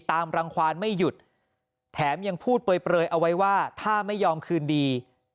รังความไม่หยุดแถมยังพูดเปลยเอาไว้ว่าถ้าไม่ยอมคืนดี